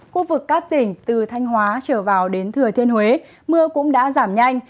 khu vực các tỉnh từ thanh hóa trở vào đến thừa thiên huế mưa cũng đã giảm nhanh